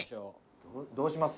どうします？